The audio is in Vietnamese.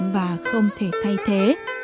và không thể thay thế